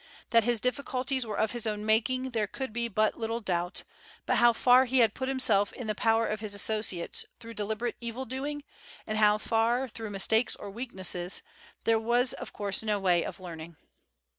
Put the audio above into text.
That his difficulties were of his own making there could be but little doubt, but how far he had put himself in the power of his associates through deliberate evil doing, and how far through mistakes or weakness, there was of course no way of learning.